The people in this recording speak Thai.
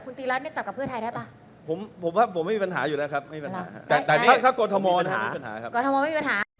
นิดนึงได้ไหมคุณนี่